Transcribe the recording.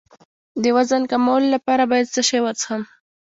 د وزن کمولو لپاره باید څه شی وڅښم؟